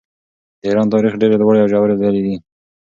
د ایران تاریخ ډېرې لوړې او ژورې لیدلې دي.